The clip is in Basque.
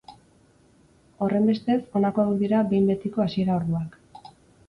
Horrenbestez, honako hauek dira behin-betiko hasiera orduak.